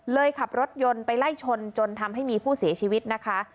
ขับรถยนต์ไปไล่ชนจนทำให้มีผู้เสียชีวิตนะคะ